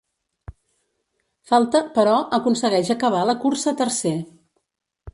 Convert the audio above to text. Falta, però, aconsegueix acabar la cursa tercer.